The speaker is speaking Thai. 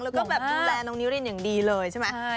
แล้วก็แบบดูแลน้องนิรินอย่างดีเลยใช่ไหม